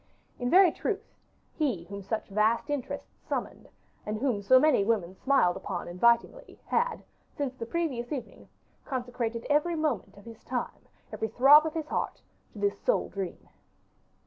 In very truth, he whom such vast interests summoned, and whom so many women smiled upon invitingly, had, since the previous evening, consecrated every moment of his time, every throb of his heart, to this sole dream.